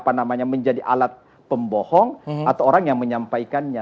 apa namanya menjadi alat pembohong atau orang yang menyampaikannya